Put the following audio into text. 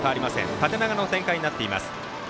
縦長の展開になっています。